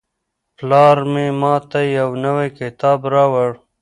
پلار مې ماته یو نوی کتاب راوړ.